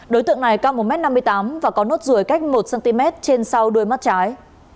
đối tượng này cao một m năm mươi tám và có nốt ruồi cách một cm trên sau đuôi mắt trái